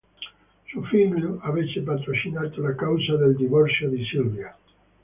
Suo figlio avesse patrocinato la causa del divorzio di Silvia.